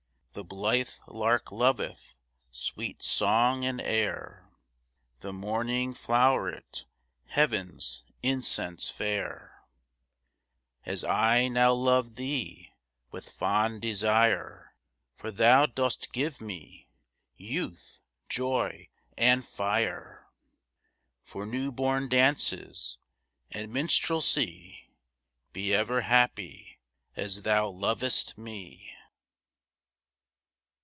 The blithe lark loveth Sweet song and air, The morning flow'ret Heav'n's incense fair, As I now love thee With fond desire, For thou dost give me Youth, joy, and fire, For new born dances And minstrelsy. Be ever happy, As thou lov'st me!